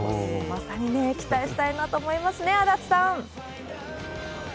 まさに期待したいなと思いますね、足立さん。